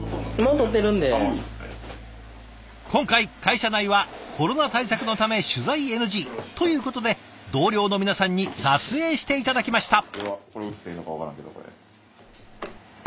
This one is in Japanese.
今回会社内はコロナ対策のため取材ＮＧ。ということで同僚の皆さんに撮影して頂きました。